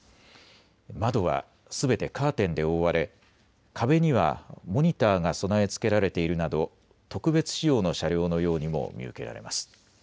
窓はすべてカーテンで覆われ壁にはモニターが備え付けられているなど特別仕様の車両のようにも見受けられます。